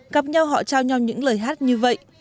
gặp nhau họ trao nhau những lời hát như vậy